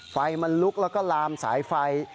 ไฟมันลุกแล้วก็ลามสายไฟ